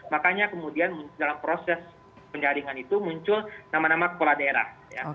makanya kemudian dalam proses penjaringan itu muncul nama nama kepala daerah